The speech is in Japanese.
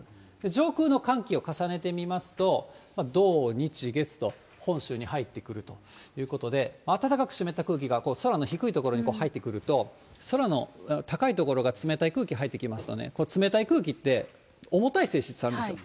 上空の寒気を重ねてみますと、土、日、月と本州に入ってくるということで、暖かく湿った空気が空の低い所に入ってくると、空の高い所が冷たい空気入ってきますとね、冷たい空気って、重たい性質があるんですよ。